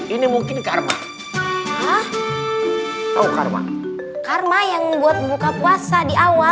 ini mungkin karma karma karma yang buat buka puasa di awal